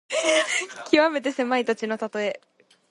きわめて狭い土地のたとえ。